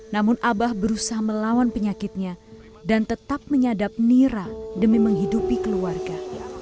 namun abah berusaha melawan penyakitnya dan tetap menyadap nira demi menghidupi keluarga